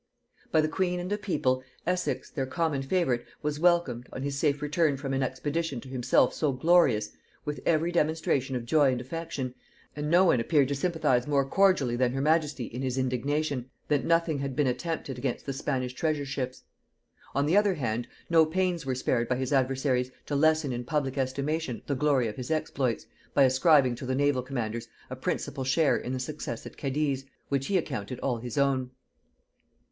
By the queen and the people, Essex, their common favorite, was welcomed, on his safe return from an expedition to himself so glorious, with every demonstration of joy and affection, and no one appeared to sympathize more cordially than her majesty in his indignation that nothing had been attempted against the Spanish treasure ships. On the other hand, no pains were spared by his adversaries to lessen in public estimation the glory of his exploits, by ascribing to the naval commanders a principal share in the success at Cadiz, which he accounted all his own.